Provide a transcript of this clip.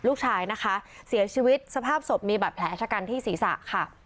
ลูกชายนะคะเสียชีวิตสภาพศพมีบาดแผลชะกันที่ศีรษะค่ะ